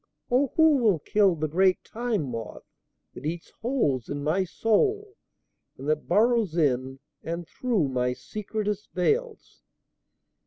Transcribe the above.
(O who will kill the great Time Moth that eats holes in my soul and that burrows in and through my secretest veils!)